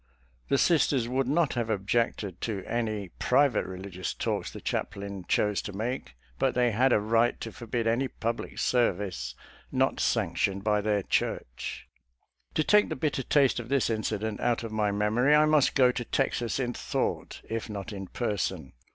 The Sisters would not have objected to any private religious talks the chaplain chose to make, but they had a right to forbid any public service not sanctioned by their Church. To take the bitter taste of this incident out of my memory, I must go to Texas in thought, if not in person.